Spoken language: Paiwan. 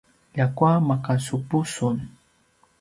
ljakua makasupu sun